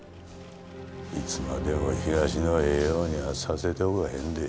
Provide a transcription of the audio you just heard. いつまでも東のええようにはさせておかへんで。